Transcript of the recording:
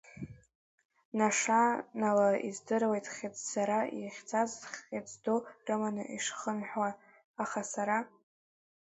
Нашанала издыруеит, хьыӡрацара иахьцаз, хьыӡ ду рыманы ишыхынҳәуа, аха сара…